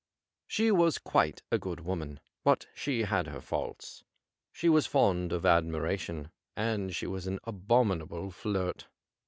She was quite a good woman, but she had her faults. She was fond of admiration, and she was an abominable flirt.